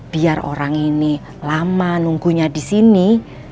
biar orang ini lama nunggunya disini